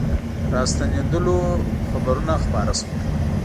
راستنېدلو خبرونه خپاره سول.